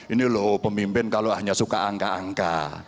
ini loh pemimpin kalau hanya suka angka angka